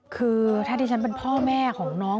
คือถ้าที่ฉันเป็นพ่อแม่ของน้อง